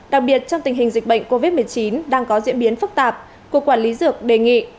đặc biệt trong tình hình dịch bệnh covid một mươi chín đang có diễn biến phức tạp cục quản lý dược đề nghị